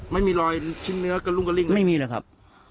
ไม่มีรอยชิ้นเนื้อกระรุ่งกระลิ่งไม่มีเลยครับ